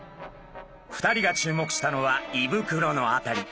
２人が注目したのはいぶくろの辺り。